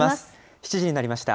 ７時になりました。